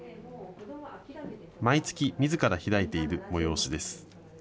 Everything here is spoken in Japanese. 毎月、みずから開いている催しです。